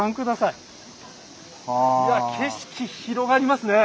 いや景色広がりますね。